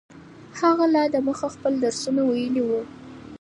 هغه لا دمخه خپل درسونه ویلي وو.